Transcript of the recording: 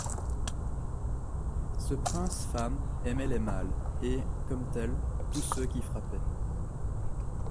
Ce prince femme aimait les mâles, et, comme tels, tous ceux qui frappaient.